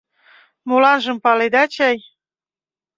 Моланжым паледа чай.